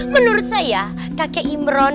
menurut saya kakek imron